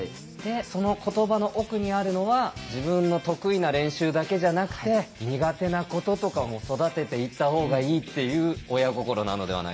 その言葉の奥にあるのは自分の得意な練習だけじゃなくて苦手なこととかも育てていった方がいいっていう親心なのではないかと。